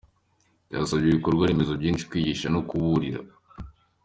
Byasabye ibikorwa remezo byinshi, kwigisha, no kuburira.